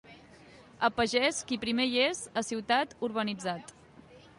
A pagès qui primer hi és, a ciutat, urbanitzat.